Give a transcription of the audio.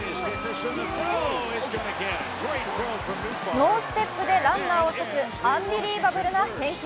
ノーステップでランナーを刺すアンビリーバブルな返球。